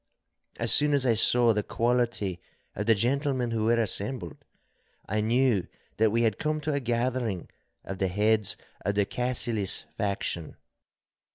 As soon as I saw the quality of the gentlemen who were, assembled, I knew that we had come to a gathering of the heads of the Cassillis faction.